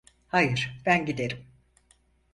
Hayır, ben giderim.